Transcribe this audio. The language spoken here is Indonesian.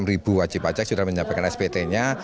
enam ribu wajib pajak sudah menyampaikan spt nya